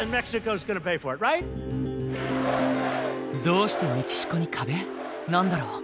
どうしてメキシコに壁なんだろう？